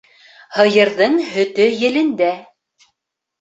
Һыйырҙың һөтө елендә